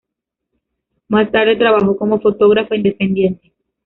Más tarde, trabajó como fotógrafa independiente.